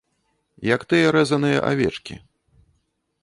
Як тыя рэзаныя авечкі.